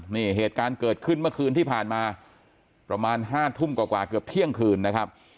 นี่เหตุการณ์เกิดขึ้นเมื่อคืนที่ผ่านมาประมาณ๕ทุ่มกว่าเกือบเที่ยงคืนนะครับ